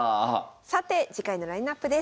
さて次回のラインナップです。